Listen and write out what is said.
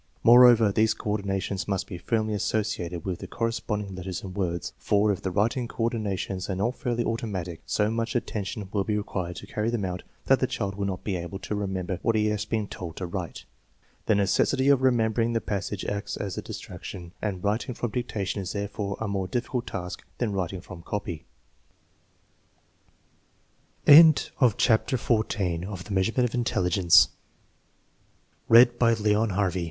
Moreover, these coordinations must be firmly associated with the corre^ sponding letters and words, for if the writing coordinations are not fairly automatic, so much attention will be required to carry them out that the child will not be able to remember what he has been told to write. The necessity of remem bering the passage acts as a distraction, and writing from dictation is therefore a more difficult task than writing from copy. CHAPTER XV INSTRUCTIONS FOR YEAR IX ' IX, 1.